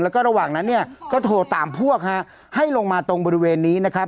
แล้วก็ระหว่างนั้นเนี่ยก็โทรตามพวกฮะให้ลงมาตรงบริเวณนี้นะครับ